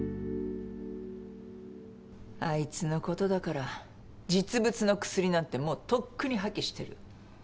あいつのことだから実物の薬なんてもうとっくに破棄してる。